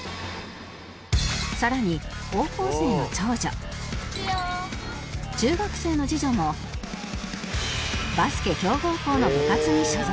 更に高校生の長女中学生の次女もバスケ強豪校の部活に所属